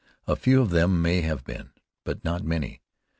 A few of them may have been, but not many.